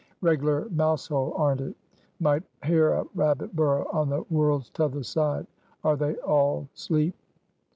Reg'lar mouse hole, arn't it? Might hear a rabbit burrow on the world's t'other side; are they all 'sleep?"